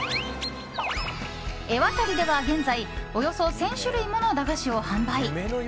エワタリでは現在、およそ１０００種類もの駄菓子を販売。